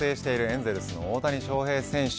エンゼルスの大谷翔平選手